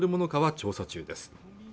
調査中です